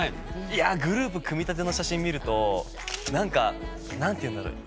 いやグループ組みたての写真見るとなんか何て言うんだろう。